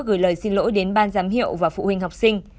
gửi lời xin lỗi đến ban giám hiệu và phụ huynh học sinh